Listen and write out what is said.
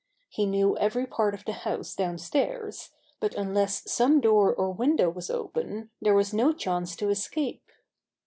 He knew every part of the house downstairs, but unless some door or window was open there was no chance to escape.